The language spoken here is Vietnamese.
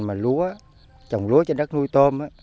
mà lúa trồng lúa trên đất nuôi tôm